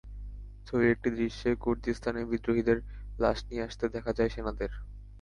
ছবির একটি দৃশ্যে কুর্দিস্তানের বিদ্রোহীদের লাশ নিয়ে আসতে দেখা যায় সেনাদের।